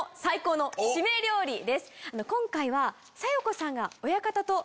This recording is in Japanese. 今回は。